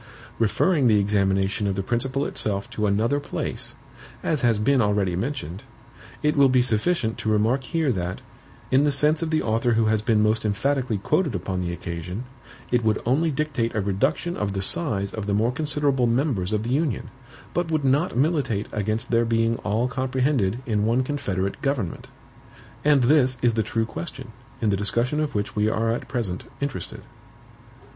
Referring the examination of the principle itself to another place, as has been already mentioned, it will be sufficient to remark here that, in the sense of the author who has been most emphatically quoted upon the occasion, it would only dictate a reduction of the SIZE of the more considerable MEMBERS of the Union, but would not militate against their being all comprehended in one confederate government. And this is the true question, in the discussion of which we are at present interested.